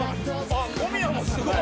「あっ小宮もすごい！」